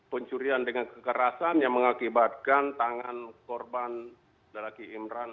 pencurian dengan kekerasan yang mengakibatkan tangan korban lelaki imran